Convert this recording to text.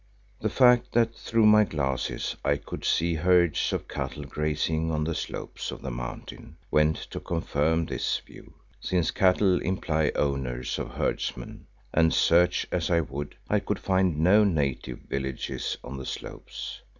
The fact that through my glasses I could see herds of cattle grazing on the slopes of the mountain went to confirm this view, since cattle imply owners and herdsmen, and search as I would, I could find no native villages on the slopes.